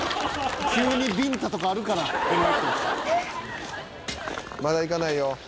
「急にビンタとかあるからこのあと」「まだ行かないよ。